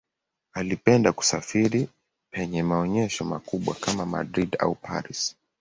Alipenda kusafiri penye maonyesho makubwa kama Madrid au Paris.